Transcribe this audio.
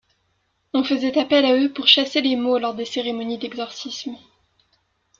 On faisait appel à eux pour chasser les maux lors des cérémonies d'exorcisme.